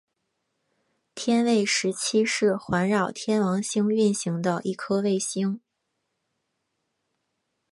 天卫十七是环绕天王星运行的一颗卫星。